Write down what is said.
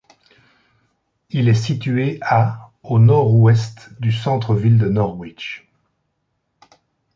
Il est situé à au nord-ouest du centre-ville de Norwich.